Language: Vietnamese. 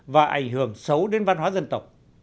và ảnh hưởng xấu đến văn hóa dân tộc